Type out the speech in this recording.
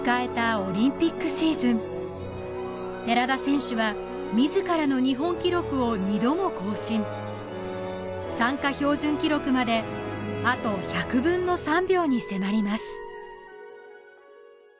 オリンピックシーズン寺田選手は自らの日本記録を二度も更新参加標準記録まであと１００分の３秒に迫ります